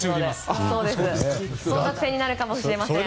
争奪戦になるかもしれません。